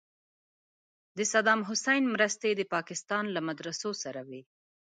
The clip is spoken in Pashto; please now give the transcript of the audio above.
صدام حسین مرستې د پاکستان له مدرسو سره وې.